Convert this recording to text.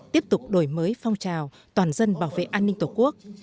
tiếp tục đổi mới phong trào toàn dân bảo vệ an ninh tổ quốc